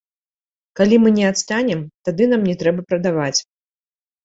Калі мы не адстанем, тады нам не трэба прадаваць.